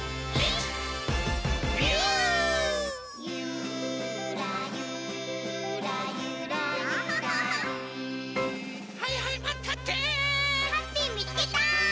ハッピーみつけた！